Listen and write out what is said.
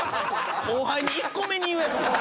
後輩に１個目に言うやつやん。